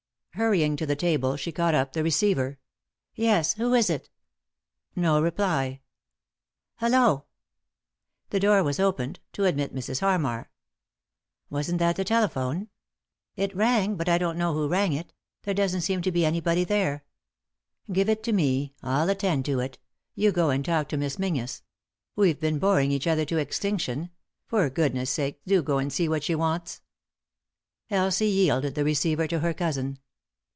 Hurrying to the table she caught up the receiver. « Yes 1 Who is it ?" No reply. " Hollo I " The door was opened; to admit Mrs. Harmar. " Wasn't that the telephone 7 "" It rang, but I don't know who rang it. There doesn't seem to be anybody there." " Give it to me ; I'll attend to it You go and talk to Miss Menzies. We've been boring each other to extinction ; for goodness' sake do go and see what she wants." Elsie yielded the receiver to her cousin.